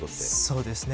そうですね。